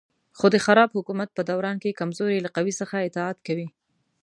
خو د خراب حکومت په دوران کې کمزوري له قوي څخه اطاعت کوي.